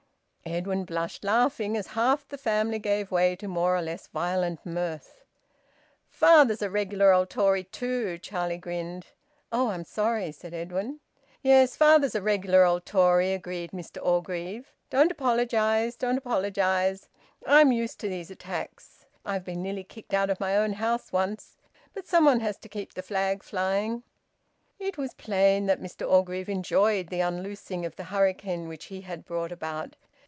Edwin blushed, laughing, as half the family gave way to more or less violent mirth. "Father's a regular old Tory too," Charlie grinned. "Oh! I'm sorry," said Edwin. "Yes, father's a regular old Tory," agreed Mr Orgreave. "Don't apologise! Don't apologise! I'm used to these attacks. I've been nearly kicked out of my own house once. But some one has to keep the flag flying." It was plain that Mr Orgreave enjoyed the unloosing of the hurricane which he had brought about.